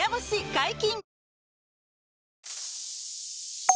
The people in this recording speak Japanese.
解禁‼